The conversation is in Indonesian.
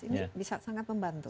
ini bisa sangat membantu